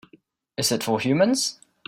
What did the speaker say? Is it for humans?